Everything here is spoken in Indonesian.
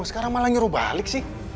sekarang malah nyuruh balik sih